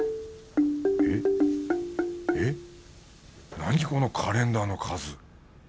えっえっ何このカレンダーの数